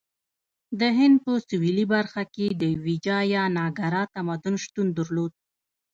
د هند په سویلي برخه کې ویجایاناګرا تمدن شتون درلود.